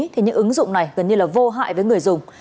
thì những ứng dụng này gần như là vô hại với người dùng